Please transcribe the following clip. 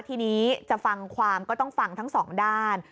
ทีนี้จะฟังความก็ต้องฟังทั้งสองด้าน